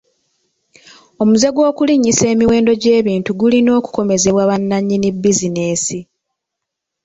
Omuze gw'okulinnyisa emiwendo gy'ebintu gulina okukomezebwa bannannyini bizinensi.